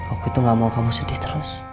aku itu gak mau kamu sedih terus